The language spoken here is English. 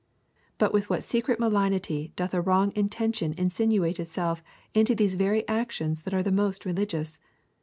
But with what secret malignity doth a wrong intention insinuate itself into these very actions that are the most religious!